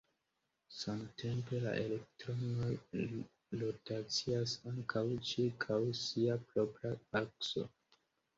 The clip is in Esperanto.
Samtempe, la elektronoj rotacias ankaŭ ĉirkaŭ sia propra akso.